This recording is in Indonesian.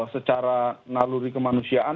secara ngaluri kemanusiaan